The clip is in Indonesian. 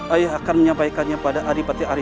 ayah akan menyampaikannya pada adik adik arya